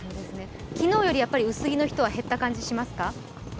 昨日より薄着の人は減った感じがしますか？